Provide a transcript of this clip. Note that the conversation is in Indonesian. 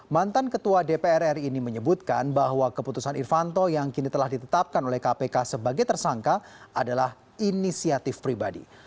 mantan ketua dpr ri ini menyebutkan bahwa keputusan irvanto yang kini telah ditetapkan oleh kpk sebagai tersangka adalah inisiatif pribadi